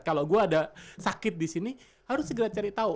kalau gue ada sakit di sini harus segera cari tahu